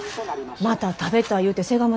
また食べたい言うてせがむ